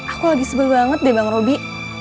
aku lagi sebel banget deh bang roby